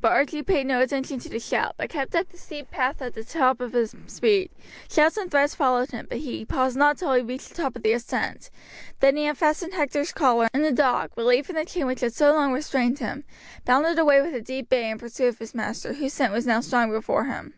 But Archie paid no attention to the shout, but kept up the steep path at the top of his speed. Shouts and threats followed him, but he paused not till he reached the top of the ascent; then he unfastened Hector's collar, and the dog, relieved from the chain which had so long restrained him, bounded away with a deep bay in pursuit of his master, whose scent was now strong before him.